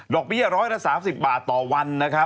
ดอกเบี้ยร้อยละ๓๐บาทต่อวัน